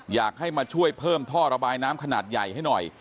อยากให้มาช่วยเพิ่มท่อระบายน้ำขนาดใหญ่ให้หน่อย